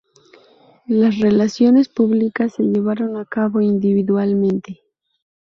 Las relaciones públicas se llevaron a cabo individualmente.